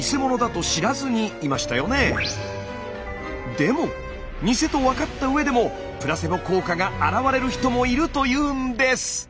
でもニセと分かったうえでもプラセボ効果があらわれる人もいるというんです！